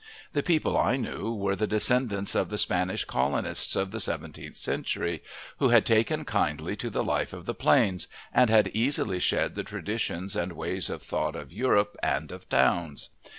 The people I knew were the descendants of the Spanish colonists of the seventeenth century, who had taken kindly to the life of the plains, and had easily shed the traditions and ways of thought of Europe and of towns.